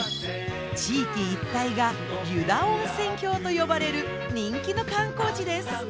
地域一帯が湯田温泉峡と呼ばれる人気の観光地です。